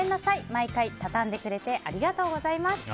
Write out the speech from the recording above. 毎回、畳んでくれてありがとうございます。